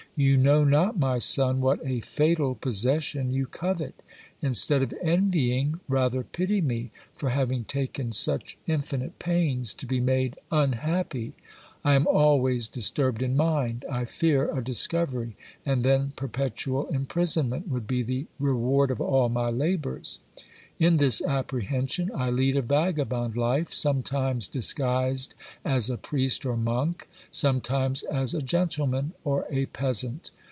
You know not, my son, what a fatal possession you covet. Instead of envying, rather pity me, for having taken such infinite pains to be made unhappy. 1 am always disturbed in mind. I fear a discovery; and then perpetual im prisonment would be the reward of all my labours. In this apprehension, I lead a vagabond life, sometimes disguised as a priest or monk, sometimes as a gentle man or a peasant.